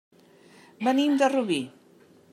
Venim de Rubí.